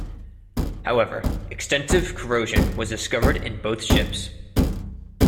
However, extensive corrosion was discovered in both ships.